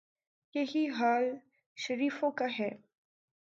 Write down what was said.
یہی حال شریفوں کا ہے۔